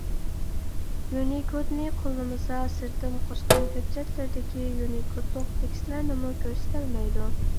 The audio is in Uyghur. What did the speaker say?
يۇنىكودنى قوللىمىسا سىرتتىن قوشقان ھۆججەتلىرىدىكى يۇنىكودلۇق تېكىستلەرنىمۇ كۆرسىتەلمەيدۇ.